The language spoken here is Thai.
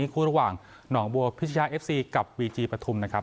คู่ระหว่างหนองบัวพิชยาเอฟซีกับวีจีปฐุมนะครับ